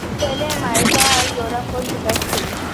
پہلے امریکہ اور یورپ کو شکایت تھی۔